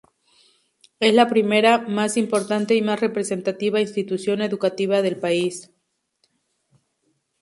Es la primera, más importante y más representativa institución educativa del país.